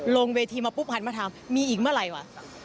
ลงเวทีมาปุ๊บหันมาถามมีอีกเมื่อไหร่วะ